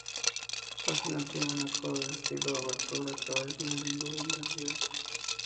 El final tiene una coda de estilo obertura que va disminuyendo de intensidad.